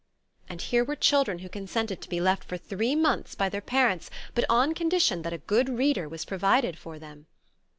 And here were children who consented to be left for three months by their parents, but on condition that a good reader was provided for them!